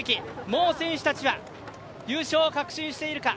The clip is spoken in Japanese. もう選手たちは優勝を確信しているか。